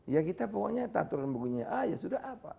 ya kita pokoknya aturan bukunya a ya sudah a pak